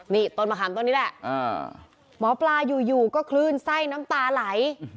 นี่ต้นมะขามต้นนี้แหละหมอปลาอยู่ก็คลื่นไส้น้ำตาไหล